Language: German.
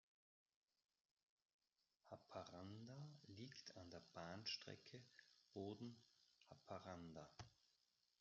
Haparanda liegt an der Bahnstrecke Boden–Haparanda.